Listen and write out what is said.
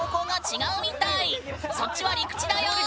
そっちは陸地だよ！